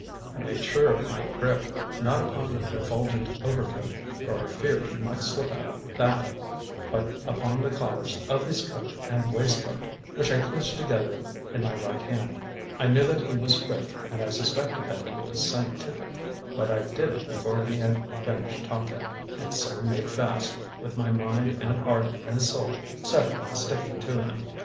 I made sure of my grip, not upon the refulgent overcoat, for I feared he might slip out of that, but upon the collars of his coat and waistcoat, which I clenched together in my right hand. I knew that he was quick, and I suspected that he was "scientific," but I did it before he had finished talking, and so made fast, with my mind and heart and soul set upon sticking to him.